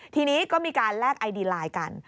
ทีนี้ก็มีการแลกไอดีไลน์กัน